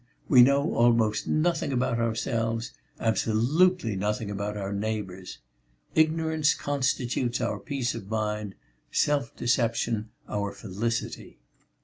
We know almost nothing about ourselves; absolutely nothing about our neighbours. Ignorance constitutes our peace of mind; self deception our felicity."